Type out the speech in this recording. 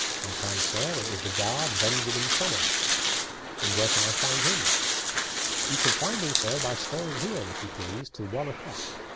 "I can, sir. It was the guard, Benjamin Somers." "And where can I find him?" "You can find him, sir, by staying here, if you please, till one o'clock.